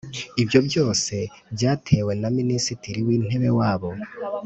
Ibyo byose byatewe na Minisitiri wintebe wabo